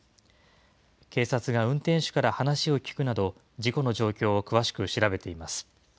警察が運転手から話を聞くなど、事故の状況を詳しく調べています。